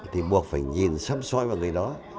thì buộc phải nhìn xăm xoay vào người đó